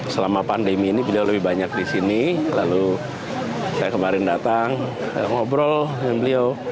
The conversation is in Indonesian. selama pandemi ini beliau lebih banyak di sini lalu saya kemarin datang ngobrol dengan beliau